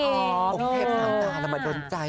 โอเคแทบน้ำตาละมาดนใจ